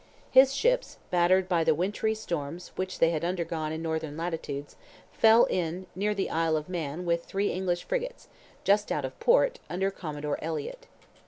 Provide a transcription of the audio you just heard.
His ships, battered by the wintry storms which they had undergone in northern latitudes, fell in near the Isle of Man with three English frigates, just out of port, under Commodore Elliott.